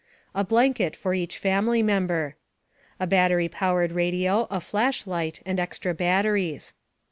A blanket for each family member. A battery powered radio, a flashlight, and extra batteries.